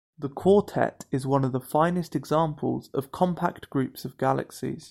The quartet is one of the finest examples of compact groups of galaxies.